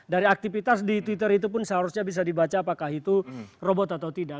dari aktivitas di twitter itu pun seharusnya bisa dibaca apakah itu robot atau tidak